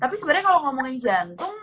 tapi sebenarnya kalau ngomongin jantung